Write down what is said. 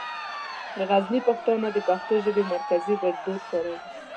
د غزني پښتانه د پښتو ژبې مرکزي ګړدود کاروي.